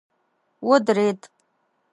ودريد.